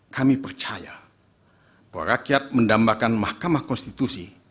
kami percaya bahwa rakyat mendambakan mahkamah konstitusi